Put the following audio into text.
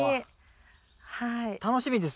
楽しみですね。